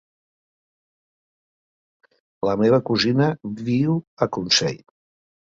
La meva cosina viu a Consell.